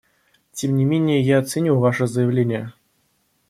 Тем не менее я ценю ваше заявление.